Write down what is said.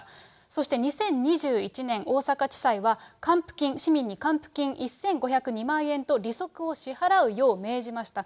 そして２０２１年、大阪地裁は、還付金、市民に還付金１５０２万円と利息を支払うよう命じました。